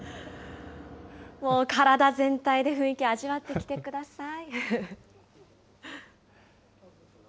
もう体全体で雰囲気味わってきてください。